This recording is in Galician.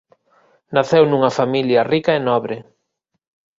Naceu nunha familia rica e nobre.